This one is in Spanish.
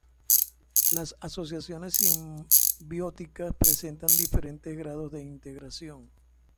Las asociaciones simbióticas presentan diferentes grados de integración.